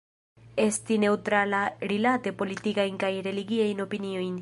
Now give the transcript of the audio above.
Esti neŭtrala rilate politikajn kaj religiajn opiniojn.